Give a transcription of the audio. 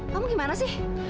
kamu gimana sih